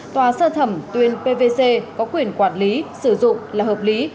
tòa sơ thẩm tuyên pvc có quyền quản lý sử dụng là hợp lý